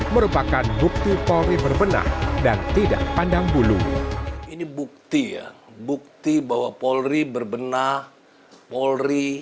merupakan bukti polri berbenah dan tidak pandang bulu ini bukti ya bukti bahwa polri berbenah polri